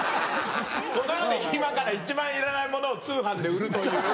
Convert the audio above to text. この世で今から一番いらないものを通販で売るという。